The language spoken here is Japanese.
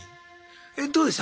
えどうでした？